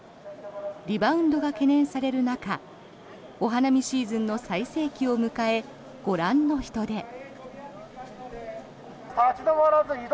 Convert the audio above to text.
リバウンドが懸念される中お花見シーズンの最盛期を迎えご覧の人出。